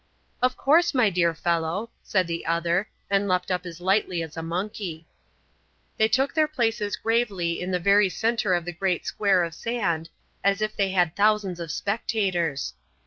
"Of course, my dear fellow," said the other, and leapt up as lightly as a monkey. They took their places gravely in the very centre of the great square of sand, as if they had thousands of spectators.